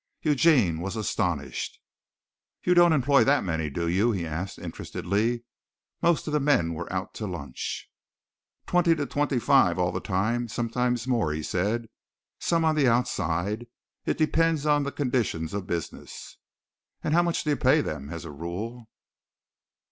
Eugene was astonished. "You don't employ that many, do you?" he asked interestedly. Most of the men were out to lunch. "From twenty to twenty five all the time, sometimes more," he said. "Some on the outside. It depends on the condition of business." "And how much do you pay them, as a rule?"